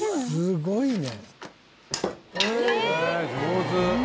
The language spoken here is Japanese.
すごいわ。